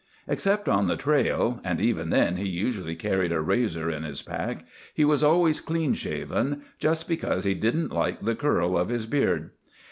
Except on the trail—and even then he usually carried a razor in his pack—he was always clean shaven, just because he didn't like the curl of his beard.